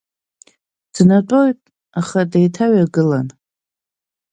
Днатәоит, аха деиҭаҩагылан.